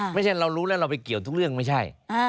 ไม่ใช่เรารู้แล้วเราไปเกี่ยวทุกเรื่องไม่ใช่